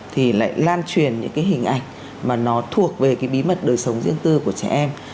thì lại lan truyền những cái hình ảnh mà nó thuộc về cái bí mật đời sống riêng tư của trẻ em